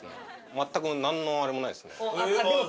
全く何のあれもないですね。